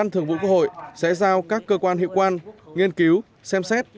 thường vụ quốc hội sẽ giao các cơ quan hiệu quan nghiên cứu xem xét